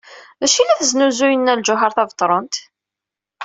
D acu ay la tesnuzuy Nna Lǧuheṛ Tabetṛunt?